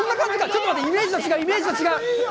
ちょっと待って、イメージと違う、イメージと違う。